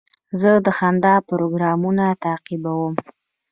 زه د خندا پروګرامونه تعقیبوم.